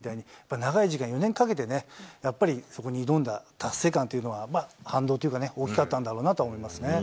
ただ、伊藤選手なんかみたいに、長い時間、４年かけてね、やっぱりそこに挑んだ達成感っていうのは、反動というかね、大きかったんだろうなと思いますね。